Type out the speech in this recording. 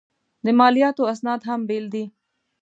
د مالیاتو اسناد هم بېل دي.